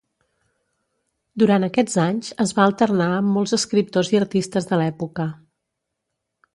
Durant aquests anys es va alternar amb molts escriptors i artistes de l'època.